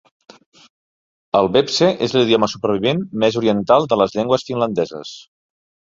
El vepse és l'idioma supervivent més oriental de les llengües finlandeses.